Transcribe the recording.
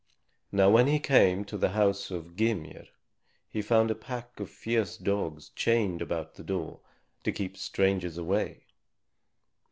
Now when he came to the house of Gymir, he found a pack of fierce dogs chained about the door to keep strangers away.